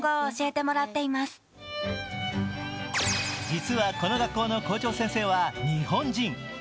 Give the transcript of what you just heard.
実はこの学校の校長先生は日本人。